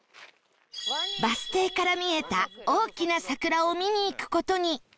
バス停から見えた大きな桜を見に行く事に